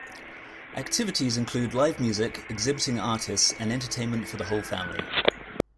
Activities include live music, exhibiting artists and entertainment for the whole family.